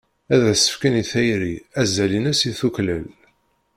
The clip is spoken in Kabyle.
Ad as-fken i tayri azal-ines i tuklal.